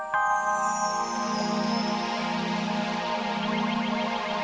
hai enak enak sambil nih